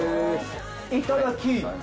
いただき！